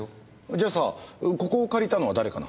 じゃあさここを借りたのは誰かな？